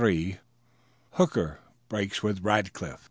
HOOKER BREAKS WITH RACKLIFF.